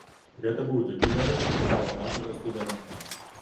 Гэта быў такі народ накшталт нашага студэнцтва.